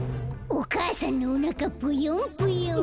お母さんのおなかぷよんぷよん。